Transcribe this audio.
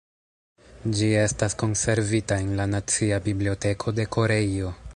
Ĝi estas konservita en la nacia biblioteko de Koreio.